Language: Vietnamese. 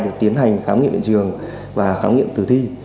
để tiến hành khám nghiệm hiện trường và khám nghiệm tử thi